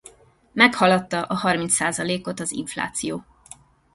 Meghaladta a harminc százalékot az infláció.